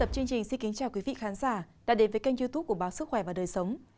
chào mừng quý vị đến với kênh youtube của báo sức khỏe và đời sống